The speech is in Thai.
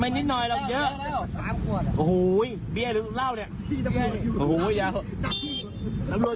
เยอะโอ้โหเบี้ยลึกเหล้าเนี้ยพี่ตำรวจอยู่ข้างหลัง